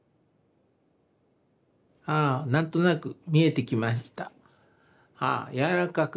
ああ何となく見えてきました。